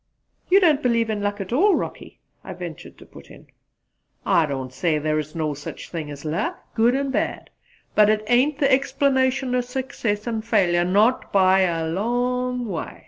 "You don't believe in luck at all, Rocky?" I ventured to put in. "I don't say thar's no such thing as luck good and bad; but it ain't the explanation o' success an' failure not by a long way.